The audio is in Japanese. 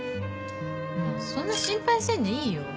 もうそんな心配せんでいいよ。